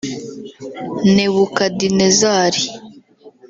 Nebukadinezari